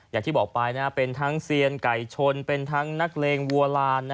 อย่างที่บอกไปเป็นทั้งเซียนไก่ชนเป็นทั้งนักเลงวัวลาน